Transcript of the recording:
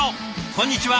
こんにちは。